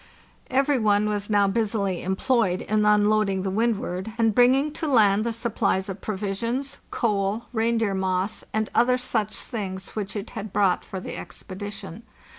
Every one was now busily employed in unlading the Windward, and bringing to land the supplies of pro visions, coal, reindeer moss, and other such things which it had brought for the expedition.